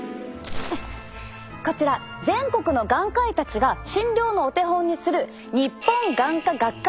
こちら全国の眼科医たちが診療のお手本にする日本眼科学会